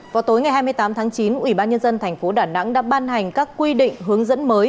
vào tối ngày hai mươi tám tháng chín ủy ban nhân dân tp đà nẵng đã ban hành các quy định hướng dẫn mới